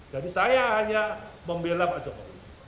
jadi saya hanya membelah pak jokowi